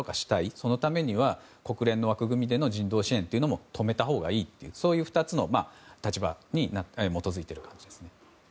そのためには、国連の枠組みでの人道支援というのも止めたほうがいいというそういう２つの立場に基づいているわけですね。